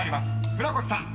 船越さん］